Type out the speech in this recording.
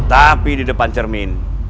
tapi di depan cermin